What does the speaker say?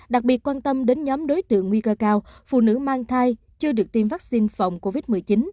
đặc biệt quan tâm đến nhóm đối tượng nguy cơ cao phụ nữ mang thai chưa được tiêm vaccine phòng covid một mươi chín